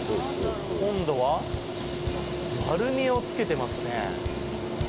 今度は丸みをつけてますね。